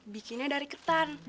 bikinnya dari ketan